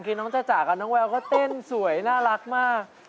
คือน้องจ้าจ๋ากับน้องแววก็เต้นสวยน่ารักมาก